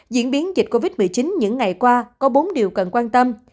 diễn biến dịch covid một mươi chín những ngày qua có bốn điều cần quan tâm